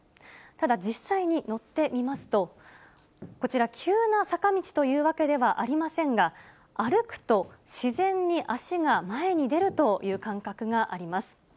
ただ、実際に乗ってみますと、こちら、急な坂道というわけではありませんが、歩くと、自然に足が前に出るという感覚があります。